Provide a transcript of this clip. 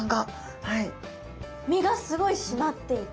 身がすごい締まっていて。